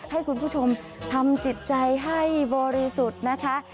ให้คุณผู้ชมทำจิตใจให้บริสุทธิ์นะคะ